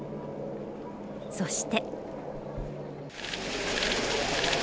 そして。